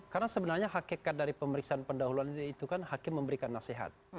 karena sebenarnya hakikat dari pemeriksaan pendahuluan itu kan hakim memberikan nasihat